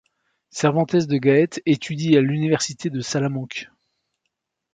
Cervantes de Gaete étudie à l'université de Salamanque.